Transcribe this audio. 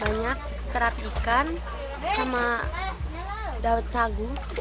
banyak kerap ikan sama dawet sagu